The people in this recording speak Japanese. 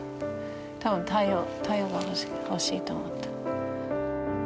多分太陽が欲しいと思って。